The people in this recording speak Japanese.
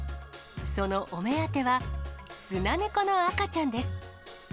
そのお目当ては、スナネコの赤ちゃんです。